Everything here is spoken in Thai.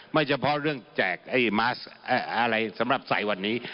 ไม่เฉพาะเรื่องแจกไอ้มาสอะไรสำหรับใส่วันนี้